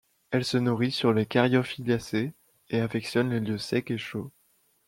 Elle se nourrit sur les caryophyllacées et affectionne les lieux secs et chauds.